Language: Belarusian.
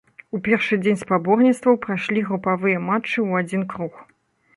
У першы дзень спаборніцтваў прайшлі групавыя матчы ў адзін круг.